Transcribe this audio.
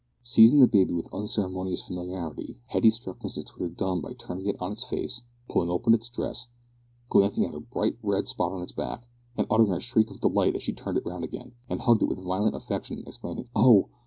Seizing the baby with unceremonious familiarity, Hetty struck Mrs Twitter dumb by turning it on its face, pulling open its dress, glancing at a bright red spot on its back, and uttering a shriek of delight as she turned it round again, and hugged it with violent affection, exclaiming, "Oh!